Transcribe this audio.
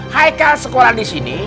haikal sekolah disini